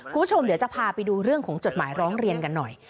คุณผู้ชมเดี๋ยวจะพาไปดูเรื่องของจดหมายร้องเรียนกันหน่อย